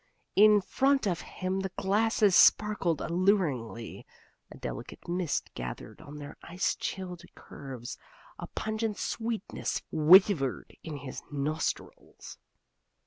In front of him the glasses sparkled alluringly: a delicate mist gathered on their ice chilled curves: a pungent sweetness wavered in his nostrils.